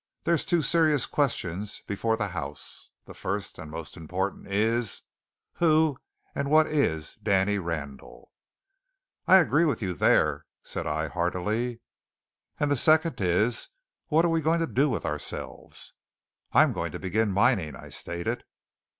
There's two serious questions before the house: the first and most important is, who and what is Danny Randall?" "I agree with you there," said I heartily. "And the second is, what are we going to do with ourselves?" "I'm going to begin mining," I stated.